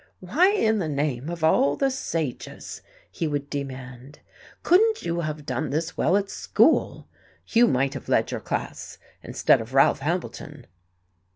"Why in the name of all the sages," he would demand, "couldn't you have done this well at school? You might have led your class, instead of Ralph Hambleton."